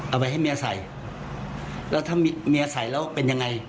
เอาไปให้เมียใส่แล้วถ้าเมียใส่แล้วเป็นยังไง